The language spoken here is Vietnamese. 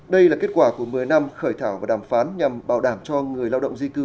đây là kết quả của một mươi năm khởi thảo và đàm phán nhằm bảo đảm cho người lao động di cư